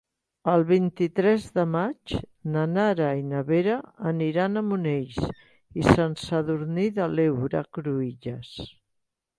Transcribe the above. El vint-i-tres de maig na Nara i na Vera aniran a Monells i Sant Sadurní de l'Heura Cruïlles.